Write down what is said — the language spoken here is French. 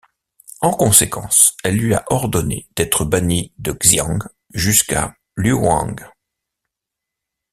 En conséquence, elle lui a ordonné d'être bannie de Xi'an jusqu'à Luoyang.